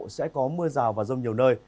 sẽ có mưa rào và rông nhiều nơi